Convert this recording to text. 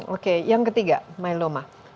oke yang ketiga myeloma